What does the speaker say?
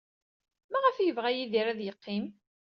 Maɣef ay yebɣa Yidir ad yeqqim?